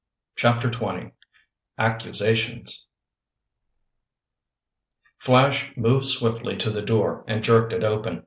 CHAPTER XX ACCUSATIONS Flash moved swiftly to the door and jerked it open.